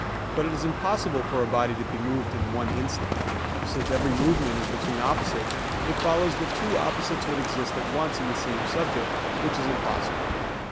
But it is impossible for a body to be moved in one instant; for since every movement is between opposites, it follows that two opposites would exist at once in the same subject, which is impossible.